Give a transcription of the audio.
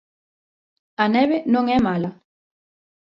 A neve non é mala.